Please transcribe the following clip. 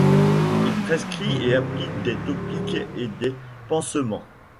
Il prescrit et applique des topiques et des pansements.